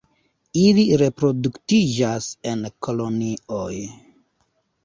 Ili reproduktiĝas en kolonioj.